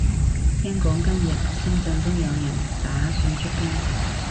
聽講今日深圳都有人打算出街